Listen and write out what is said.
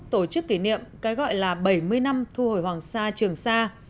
tổ chức kỷ niệm cái gọi là bảy mươi năm thu hồi hoàng sa trường sa